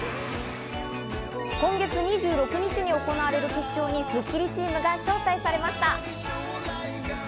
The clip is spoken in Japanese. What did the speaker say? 今月２６日に行われる決勝に『スッキリ』チームが招待されました。